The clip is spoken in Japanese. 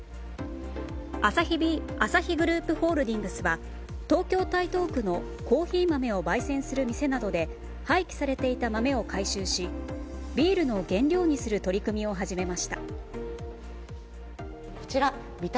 アサヒグループホールディングスは東京・台東区のコーヒー豆を焙煎する店などで廃棄されていた豆を回収しビールの原料にする取り組みを始めました。